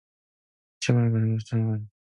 시험을 할 만큼 춘우가 냉정한 사람은 아니었다.